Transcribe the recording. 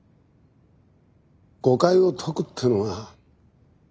誤解を解くってのは。